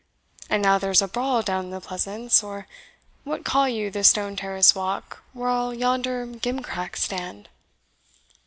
And now there is a brawl down in the Pleasance, or what call you the stone terrace walk where all yonder gimcracks stand?"